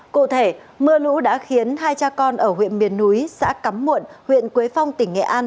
cụ thể mưa lũ đã khiến hai cha con ở huyện miền núi xã cắm muộn huyện quế phong tỉnh nghệ an